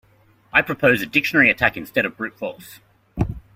I'd propose a dictionary attack instead of brute force.